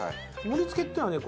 盛りつけっていうのはね